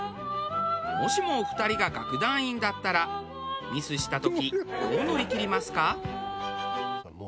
もしもお二人が楽団員だったらミスした時どう乗り切りますか？